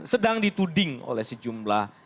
sedang dituding oleh sejumlah